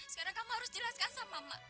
sekarang kamu harus jelaskan sama mak